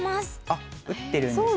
あっ打ってるんですね。